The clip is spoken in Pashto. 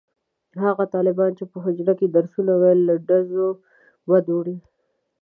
هغه طالبانو چې په حجره کې درسونه ویل له ډزو بد وړل.